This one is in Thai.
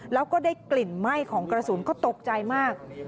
แล้วก็ได้กลิ่นไหม้ของกระสุนก็ตกใจมาก